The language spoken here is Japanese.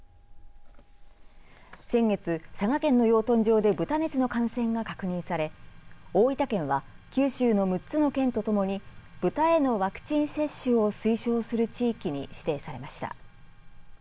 先月佐賀県の養豚場で豚熱の感染が確認され大分県は九州の６つの県とともに豚へのワクチン接種を推奨する地域に指定されました。